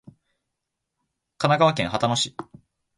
神奈川県秦野市